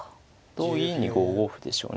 同銀に５五歩でしょうね。